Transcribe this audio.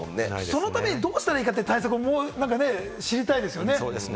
そのためにどうしたらいいか、対策を知りたいですよね。